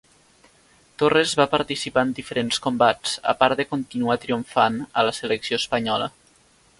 Torres va participar en diferents combats, a part de continuar triomfant amb la selecció espanyola.